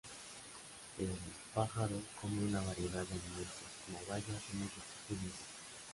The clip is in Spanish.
El pájaro come una variedad de alimentos, como bayas y muchos tipos de insectos.